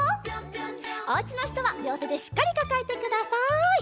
おうちのひとはりょうてでしっかりかかえてください。